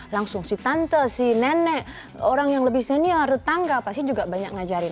langsung si tante si nenek orang yang lebih senior tetangga pasti juga banyak ngajarin